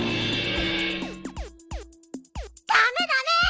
ダメダメ！